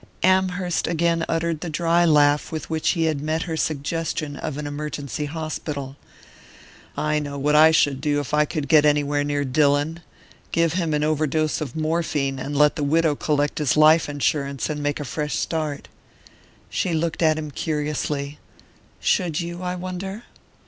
Amherst again uttered the dry laugh with which he had met her suggestion of an emergency hospital. "I know what I should do if I could get anywhere near Dillon give him an overdose of morphine, and let the widow collect his life insurance, and make a fresh start." She looked at him curiously. "Should you, I wonder?"